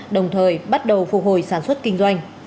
đồng thời bắt đầu phục hồi sản xuất kinh doanh